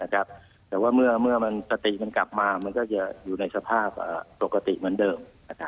แต่ว่าเมื่อสติมันกลับมามันก็จะอยู่ในสภาพปกติเหมือนเดิม